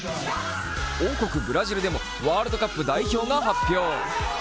王国ブラジルでもワールドカップ代表が発表。